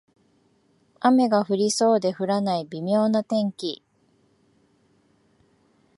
雨が降りそうで降らない微妙な天気